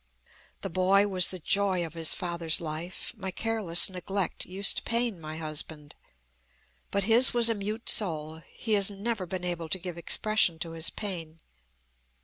"The boy was the joy of his father's life. My careless neglect used to pain my husband. But his was a mute soul. He has never been able to give expression to his pain.